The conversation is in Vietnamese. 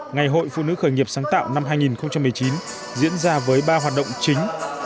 ngày hội phụ nữ khởi nghiệp sáng tạo năm hai nghìn một mươi chín diễn ra với ba hoạt động chính